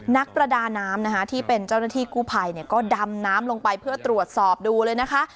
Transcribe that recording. นักประดาน้ำนะคะที่เป็นเจ้าหน้าที่กู้ภัยก็ดำน้ำลงไปเพื่อตรวจสอบดูเลยนะคะ